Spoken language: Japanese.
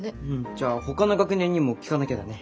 じゃあほかの学年にも聞かなきゃだね。